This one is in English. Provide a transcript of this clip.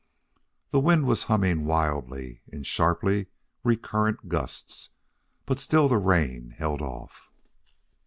The wind was humming wildly in sharply recurrent gusts, but still the rain held off.